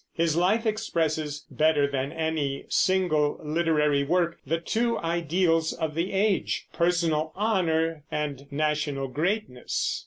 His life expresses, better than any single literary work, the two ideals of the age, personal honor and national greatness.